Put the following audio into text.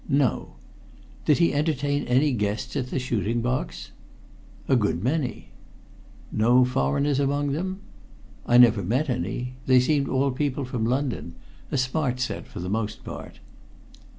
"No." "Did he entertain any guests at the shooting box?" "A good many." "No foreigners among them?" "I never met any. They seemed all people from London a smart set for the most part."